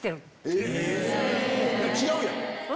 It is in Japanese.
違うやん！